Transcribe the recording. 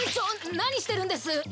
何してるんです！？